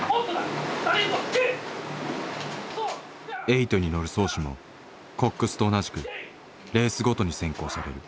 エイトに乗る漕手もコックスと同じくレースごとに選考される。